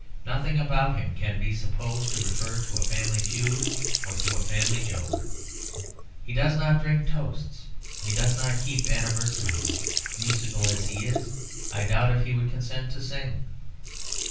Nothing about him can be supposed to refer to a family feud or to a family joke. He does not drink toasts; he does not keep anniversaries; musical as he is I doubt if he would consent to sing.